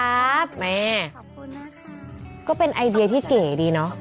ครับแม่ก็เป็นไอเดียที่เก่ดีนอ